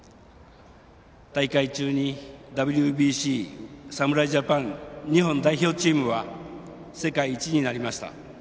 大会中にＷＢＣ侍ジャパン、日本代表チームは世界一になりました。